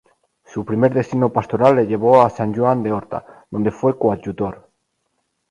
Su primer destino pastoral le llevó a Sant Joan d’Horta, donde fue coadjutor.